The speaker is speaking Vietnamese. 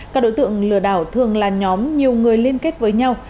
các đối tượng lừa đảo thường là nhóm nhiều người liên kết với nhau